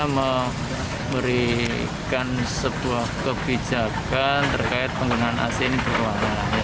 memberikan sebuah kebijakan terkait penggunaan ac ini berwarna